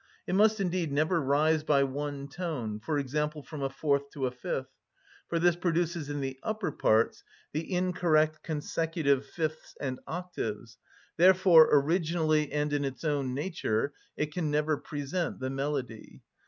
It must indeed never rise by one tone, for example, from a fourth to a fifth, for this produces in the upper parts the incorrect consecutive fifths and octaves; therefore, originally and in its own nature, it can never present the melody.